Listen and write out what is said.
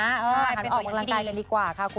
ไปออกกำลังกายกันดีกว่าค่ะคุณ